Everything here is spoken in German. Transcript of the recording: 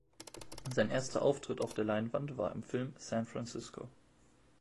Sein erster Auftritt auf der Leinwand war im Film "San Francisco".